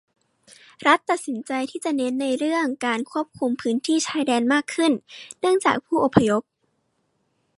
รัฐตัดสินใจที่จะเน้นในเรื่องการควบคุมพื้นที่ชายแดนมากขึ้นเนื่องจากผู้อพยพ